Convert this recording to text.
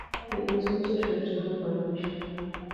He is also shown to have a new ship.